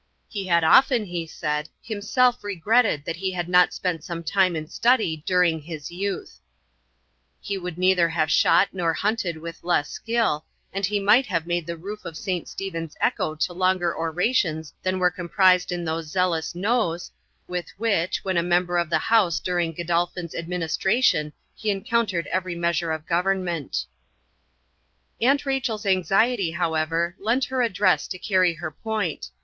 He had often, he said, himself regretted that he had not spent some time in study during his youth: he would neither have shot nor hunted with less skill, and he might have made the roof of Saint Stephen's echo to longer orations than were comprised in those zealous Noes, with which, when a member of the House during Godolphin's administration, he encountered every measure of government. Aunt Rachel's anxiety, however, lent her address to carry her point.